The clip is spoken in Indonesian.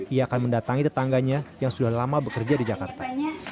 ia akan mendatangi tetangganya yang sudah lama bekerja di jakarta